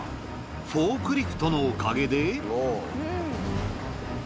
フォークリフトのおかげで。